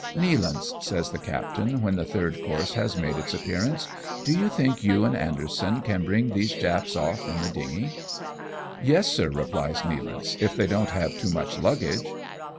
" Nealance," says the captain, when the third course has made its appearance, " do you think you and Anderson can bring these Japs off in the dingy ?"" Yes, sir,'' replies Neala'nce, " if they don't have too much luggage."